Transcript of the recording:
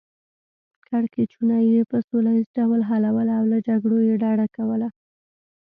کړکیچونه یې په سوله ییز ډول حلول او له جګړو یې ډډه کوله.